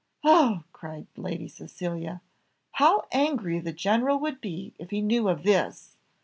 "Oh!" cried Lady Cecilia, "how angry the general would be if he knew of this!"